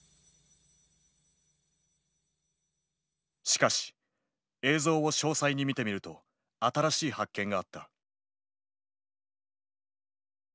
しかし映像を詳細に見てみると新しい発見があった。